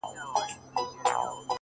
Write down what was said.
ه ستا د سترگو احترام نه دی ـ نو څه دی ـ